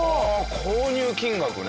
購入金額ね。